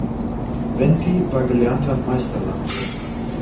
Brändli war gelernter Meister-Landwirt.